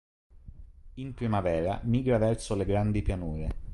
In primavera migra verso le Grandi Pianure.